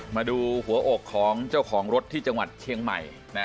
มาดูหัวอกของเจ้าของรถที่จังหวัดเชียงใหม่